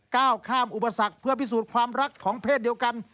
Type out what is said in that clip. ก้าวข้ามอุปสรรคเพื่อพิสูจน์ความรักของเพศเดียวกัน